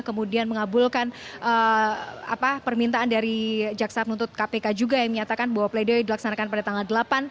kemudian mengabulkan permintaan dari jaksa penuntut kpk juga yang menyatakan bahwa pledoi dilaksanakan pada tanggal delapan